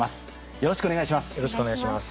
よろしくお願いします。